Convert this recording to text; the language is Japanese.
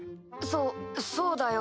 そそうだよ。